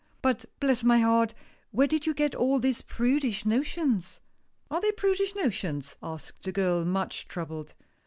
But bless my heart, where did you get all these prudish notions ?" "Are they prudish notions?" asked the girl much troubled.